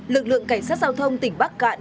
lực lượng cảnh sát giao thông tỉnh bắc cạn